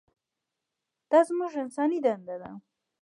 دا زموږ انساني دنده ده.